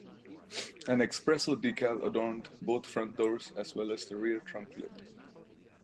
An Expresso decal adorned both front doors, as well as the rear trunk lid.